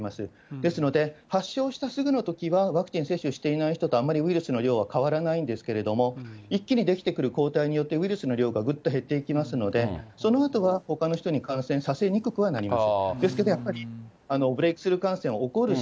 ですので、発症したすぐのときはワクチン接種をしていない人とあまりウイルスの量は変わらないんですけれども、一気に出来てくる抗体によって、ウイルスの量がぐっと減っていきますので、そのあとはほかの人に感染させにくくはなります、